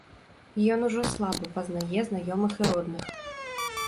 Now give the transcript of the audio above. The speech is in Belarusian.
Ён ужо слаба пазнае знаёмых і родных.